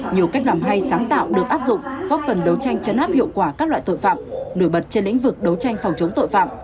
nhiều cách làm hay sáng tạo được áp dụng góp phần đấu tranh chấn áp hiệu quả các loại tội phạm nổi bật trên lĩnh vực đấu tranh phòng chống tội phạm